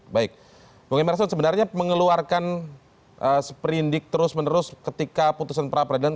baik bung emerson sebenarnya mengeluarkan seprindik terus menerus ketika putusan perapradilan